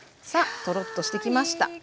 さあとろっとしてきました。